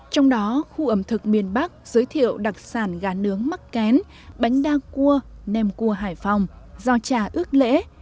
trong đó khu ẩm thực miền bắc giới thiệu đặc sản gà nướng mắc kén bánh đa cua nem cua hải phòng do trà ước lễ